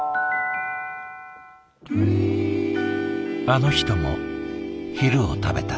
あの人も昼を食べた。